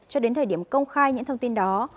cho đến thời điểm công khai những thông tin đó